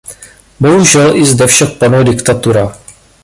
Bohužel i zde však panuje diktatura.